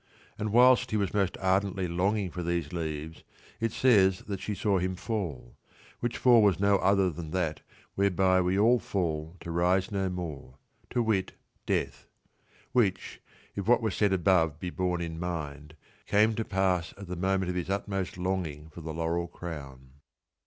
And whilst he was most ardently longing for these leaves it says that she saw him fall, which fall was no other than that whereby we all fall to rise no more, to wit death ; which (if what was said above be borne in mind) came to pass at the moment of his utmost longing for the laurel crown.